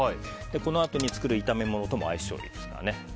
このあとに作る炒め物とも相性がいいですからね。